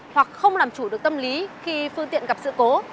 hoặc không làm chủ được tâm lý khi phương tiện gặp sự cố